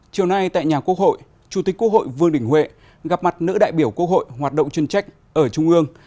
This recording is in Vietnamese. chiều nay tại nhà quốc hội chủ tịch quốc hội vương đình huệ gặp mặt nữ đại biểu quốc hội hoạt động chuyên trách ở trung ương